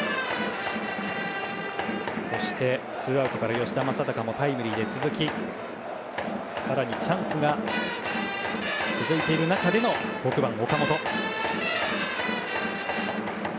そしてツーアウトから吉田正尚もタイムリーで続き更にチャンスが続く中で６番、岡本の打席。